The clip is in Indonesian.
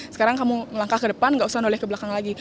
sekarang kamu melangkah ke depan nggak usah noleh ke belakang lagi